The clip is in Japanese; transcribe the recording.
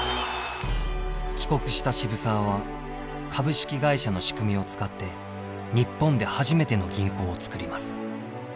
帰国した渋沢は株式会社の仕組みを使って日本で初めての銀行をつくります。